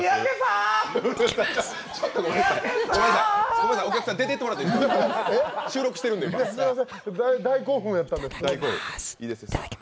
すみません、お客さん出ていってもらっていいですか。